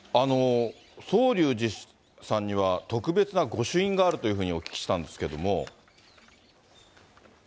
宗隆寺さんには特別な御朱印があるというふうにお聞きしたんですけれども。